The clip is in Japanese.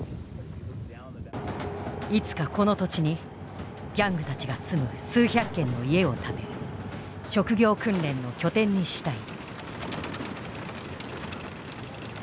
いつかこの土地にギャングたちが住む数百軒の家を建て職業訓練の拠点にしたい。